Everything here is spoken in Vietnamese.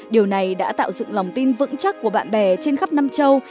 điều này đã tạo dựng lòng tin vững chắc của bạn bè trên khắp nam châu